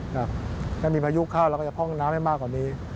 ถ้ามีพายุเข้าเราก็จะพร่องน้ำให้มากกว่านี้